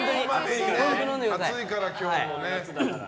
暑いから、今日もね。